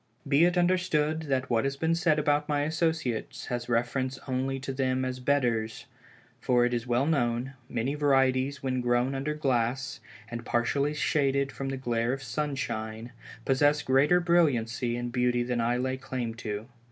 Be it understood that what has been said about my associates has reference only to them as bedders; for it is well known, many varieties when grown under glass, and partially shaded from the glare of sunshine, possess greater brilliancy and beauty than I lay claim to.